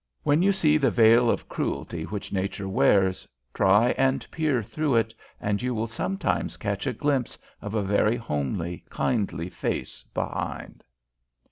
When you see the veil of cruelty which nature wears, try and peer through it, and you will sometimes catch a glimpse of a very homely, kindly face behind.